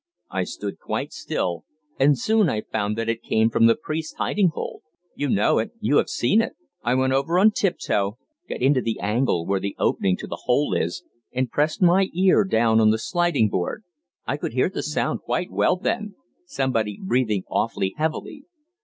I stood quite still, and soon I found that it came from the priests' hiding hole you know it, you have seen it. I went over on tip toe, got into the angle where the opening to the hole is, and pressed my ear down on the sliding board. I could hear the sound quite well then somebody breathing awfully heavily.